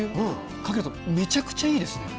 かけるとめちゃくちゃいいですね。